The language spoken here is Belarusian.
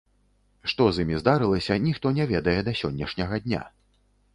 Што з імі здарылася, ніхто не ведае да сённяшняга дня.